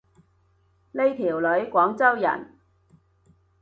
呢條女廣州人